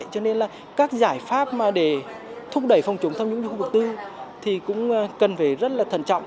cho nên là các giải pháp để thúc đẩy phòng chống tham nhũng trong khu vực tư thì cũng cần phải rất là thần trọng